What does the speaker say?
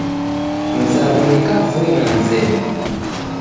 Mzaw'o ni kavui na mzedu